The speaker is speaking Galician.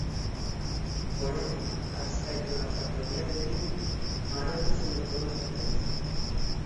Porén, a respecto da factoría de Vigo, Maroto sementou incerteza.